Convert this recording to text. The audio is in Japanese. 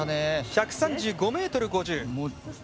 １３５ｍ５０。